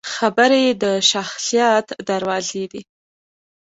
خبرې د شخصیت دروازې دي